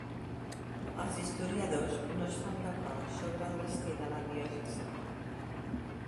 Els historiadors no estan d'acord sobre el destí de la diòcesi.